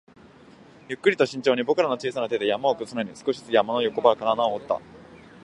ゆっくりと慎重に、僕らの小さな手で山を崩さないように、少しずつ山の横腹から穴を掘った